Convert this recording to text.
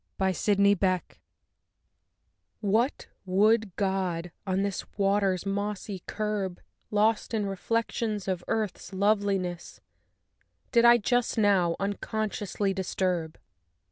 GENIUS LOCI I What wood god, on this water's mossy curb, Lost in reflections of Earth's loveliness, Did I, just now, unconsciously disturb?